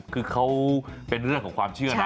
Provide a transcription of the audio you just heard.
คือเขาเป็นเรื่องของความเชื่อนะ